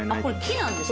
木なんですか？